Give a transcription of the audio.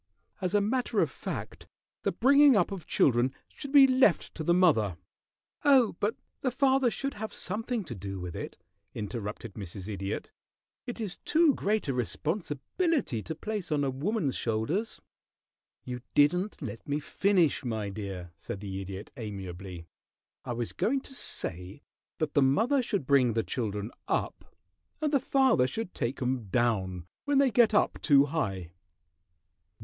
As a matter of fact, the bringing up of children should be left to the mother " "Oh, but the father should have something to do with it," interrupted Mrs. Idiot. "It is too great a responsibility to place on a woman's shoulders." "You didn't let me finish, my dear," said the Idiot, amiably. "I was going to say that the mother should bring the children up, and the father should take 'em down when they get up too high."